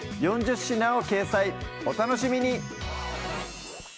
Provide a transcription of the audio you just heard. ４０品を掲載お楽しみに！